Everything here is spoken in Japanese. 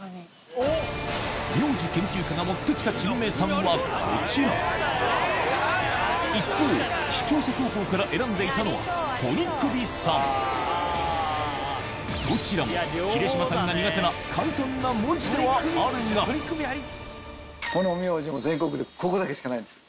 名字研究家が持って来た珍名さんはこちら一方視聴者投稿から選んでいたのは鳥首さんどちらも秀島さんが苦手な簡単な文字ではあるがこの名字も全国でここだけしかないんですよ。